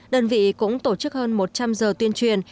đơn vị cũng tổ chức hơn một trăm linh giờ tuyên truyền